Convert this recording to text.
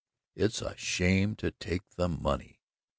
It's a shame to take the money."